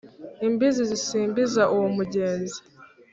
Imbizi zisimbiza uwo mugenzi.